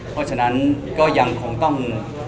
เพราะฉะนั้นก็ยังคงต้อง